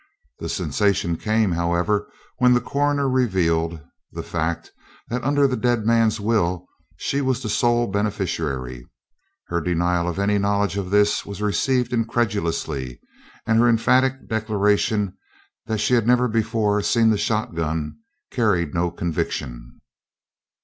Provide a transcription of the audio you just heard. The sensation came, however, when the coroner revealed the fact that under the dead man's will she was the sole beneficiary. Her denial of any knowledge of this was received incredulously, and her emphatic declaration that she had never before seen the shotgun carried no conviction.